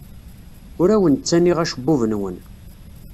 Ur awen-ttaniɣ acebbub-nwen.